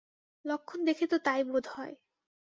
লক্ষণ দেখে তো তাই বোধ হয়।